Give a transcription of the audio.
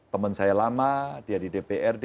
teman saya lama dia di dprd